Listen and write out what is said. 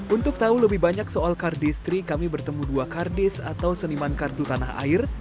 untuk tahu lebih banyak soal kardistri kami bertemu dua kardis atau seniman kartu tanah air